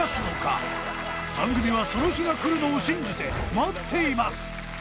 番組はその日が来るのを信じて待っています！